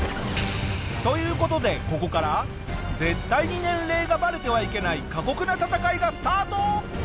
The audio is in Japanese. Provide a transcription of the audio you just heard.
という事でここから絶対に年齢がバレてはいけない過酷な闘いがスタート！